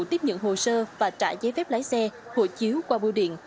tiếp nhận hồ sơ và trả giấy phép lái xe hồ chiếu qua bu điện